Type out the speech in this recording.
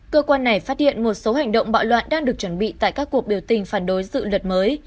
cơ quan này phát hiện một số hành động bạo loạn đang được chuẩn bị tại các cuộc biểu tình phản đối dự luật mới